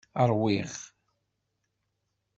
Ṛwiɣ.